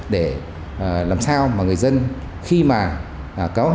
để làm sao mà người dân khi đến đây có thể tìm kiếm được cái chính sách này